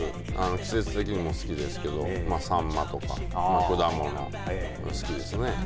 季節的にも好きですけどさんまとか、果物好きですよね。